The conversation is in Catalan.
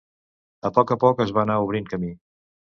A poc a poc es va anar obrint camí.